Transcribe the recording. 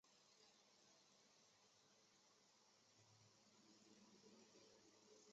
家庭是天然的和基本的社会单元,并应受社会和国家的保护。